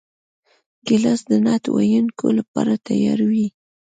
ګیلاس د نعت ویونکو لپاره تیار وي.